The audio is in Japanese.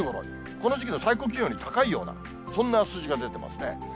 この時期の最高気温より高いような、そんな数字が出てますね。